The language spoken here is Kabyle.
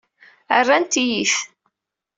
Rrant-iyi-t.